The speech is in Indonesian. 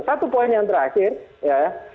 satu poin yang terakhir ya